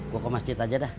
gue ke masjid aja dah